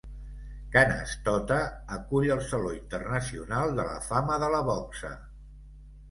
Canastota acull el Saló internacional de la fama de la boxa.